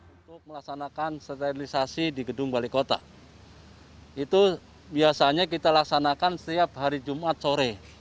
untuk melaksanakan sterilisasi di gedung balai kota itu biasanya kita laksanakan setiap hari jumat sore